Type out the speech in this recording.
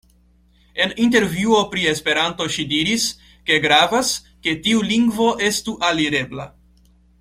En intervjuo pri Esperanto ŝi diris, ke "gravas, ke tiu lingvo estu alirebla".